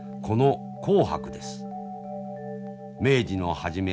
明治の初め